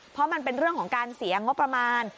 เพราะมันเป็นเรื่องของการเสียงบประมาณ